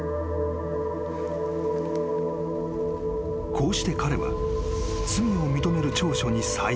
［こうして彼は罪を認める調書にサイン］